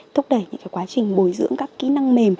thúc đẩy những quá trình bồi bỏ